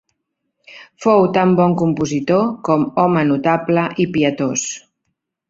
Fou tan bon compositor com home notable i pietós.